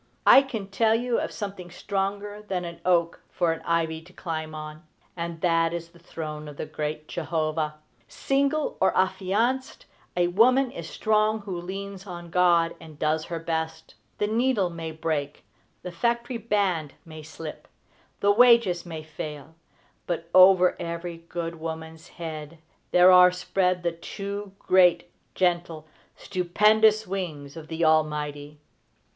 I can tell you of something stronger than an oak for an ivy to climb on, and that is the throne of the great Jehovah. Single or affianced, that woman is strong who leans on God and does her best. The needle may break; the factory band may slip; the wages may fail; but, over every good woman's head there are spread the two great, gentle, stupendous wings of the Almighty.